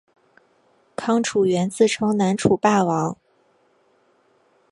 康楚元自称南楚霸王。